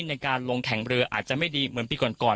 ในการลงแข่งเรืออาจจะไม่ดีเหมือนปีก่อน